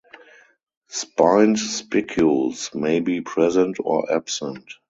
Spined spicules may be present or absent.